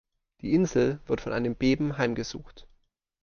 Die Insel wird von einem Beben heimgesucht.